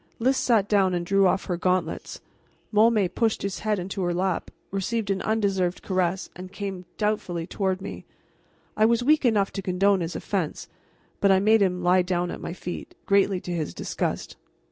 Lys sat down and drew off her gauntlets. Môme pushed his head into her lap, received an undeserved caress, and came doubtfully toward me. I was weak enough to condone his offense, but I made him lie down at my feet, greatly to his disgust.